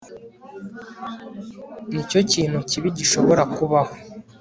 nicyo kintu kibi gishobora kubaho